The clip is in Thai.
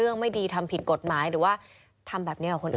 ไม่ดีทำผิดกฎหมายหรือว่าทำแบบนี้กับคนอื่น